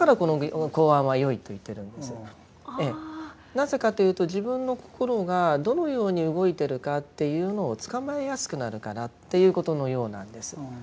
なぜかというと自分の心がどのように動いてるかっていうのをつかまえやすくなるからっていうことのようなんです。